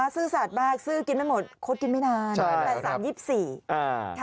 ซื่อสาดบากซื่อกินไม่หมดคดกินไม่นานใช่ครับแต่สามยี่สิบสี่อ่า